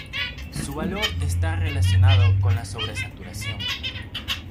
Su valor está relacionado con la sobresaturación.